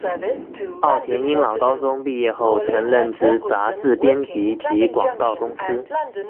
奥田英朗高中毕业后曾任职杂志编辑及广告公司。